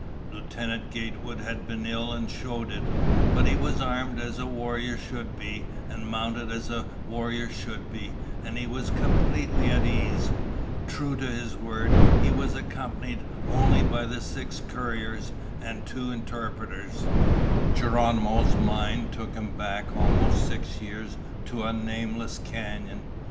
Lieutenant Gatewood had been ill and showed it. But he was armed as a warrior should be, and mounted as a warrior should be, and he was completely at ease. True to his word, he was accompanied only by the six couriers and two interpreters. Geronimo's mind took him back almost six years to a nameless canyon.